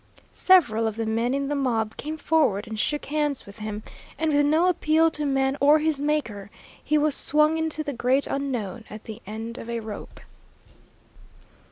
Several of the men in the mob came forward and shook hands with him, and with no appeal to man or his Maker, he was swung into the great Unknown at the end of a rope.